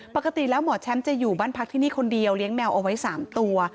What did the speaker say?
ปกติแล้วหมอแชมป์จะอยู่บ้านพักที่นี่คนเดียวเลี้ยงแมวเอาไว้๓ตัว